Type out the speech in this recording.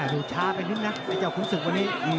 ดูช้าไปนิดนะไอ้เจ้าขุนศึกวันนี้